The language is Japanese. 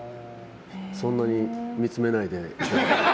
そんなに見つめないで。